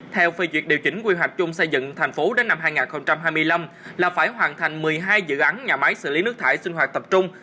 theo phê duyệt điều chỉnh quy hoạch chung xây dựng thành phố đến năm hai nghìn hai mươi năm là phải hoàn thành một mươi hai dự án nhà máy xử lý nước thải sinh hoạt tập trung